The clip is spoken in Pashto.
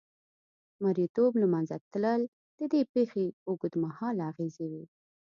مریتوب له منځه تلل د دې پېښې اوږدمهاله اغېزې وې.